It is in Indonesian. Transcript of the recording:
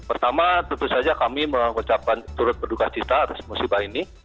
pertama tentu saja kami mengucapkan turut berduka cita atas musibah ini